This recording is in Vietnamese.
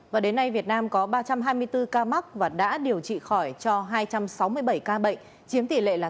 và đến nay việt nam có ba trăm hai mươi bốn ca mắc và đã điều trị khỏi cho hai trăm sáu mươi bảy ca bệnh chiếm tỷ lệ là tám